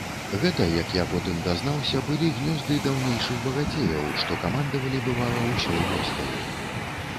Гэта, як я потым дазнаўся, былі гнёзды даўнейшых багацеяў, што камандавалі, бывала, усёй вёскаю.